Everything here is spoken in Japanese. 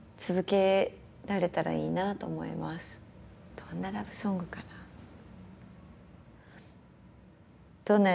どんなラブソングかな。ね。